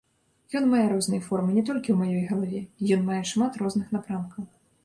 Ён мае розныя формы не толькі ў маёй галаве, ён мае шмат розных напрамкаў.